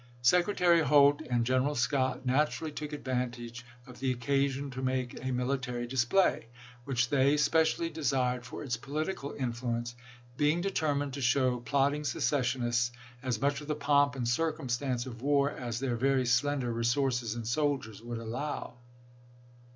Secretary Holt and Gen eral Scott naturally took advantage of the occasion to make a military display, which they specially de sired for its political influence, being determined to show plotting secessionists as much of the pomp and circumstance of war as their very slender resources in soldiers would allow.